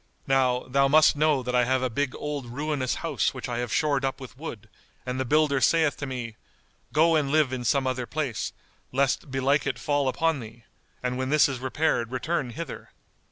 Now, thou must know that I have a big old ruinous house which I have shored up with wood, and the builder saith to me, 'Go and live in some other place, lest belike it fall upon thee; and when this is repaired return hither.